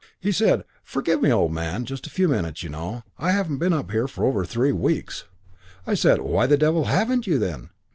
"He said, 'Forgive me, old man, just a few minutes; you know I haven't been up here for over three weeks.' "I said, 'Why the devil haven't you, then?'